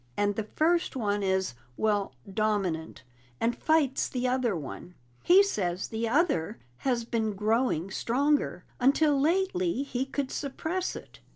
And the first one is well, dominant, and fights the other one. He says the other has been growing stronger; until lately he could suppress it.